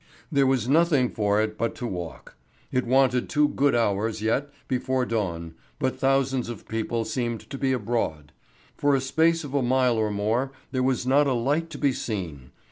There was nothing for it but to walk. It wanted two good hours yet before dawn, but thousands of people seemed to be abroad. For a space of a mile or more there was not a light to be seen.